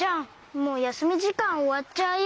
もうやすみじかんおわっちゃうよ。